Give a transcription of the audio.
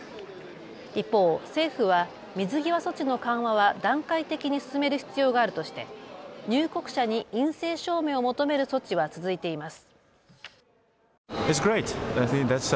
一方、政府は水際措置の緩和は段階的に進める必要があるとして入国者に陰性証明を求める措置は続いています。